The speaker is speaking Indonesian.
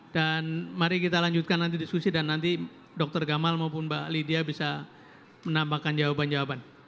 dan mari kita lanjutkan nanti diskusi dan nanti dr gamal maupun mbak lydia bisa menambahkan jawaban jawaban